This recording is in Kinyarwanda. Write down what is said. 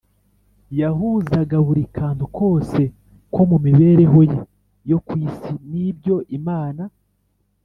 , yahuzaga buri kantu kose ko mu mibereho ye yo ku isi n’ibyo Imana